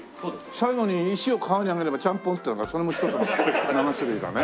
最後に石を川に投げれば「ちゃんぽん」っていうからそれも付けてもらって７種類だね。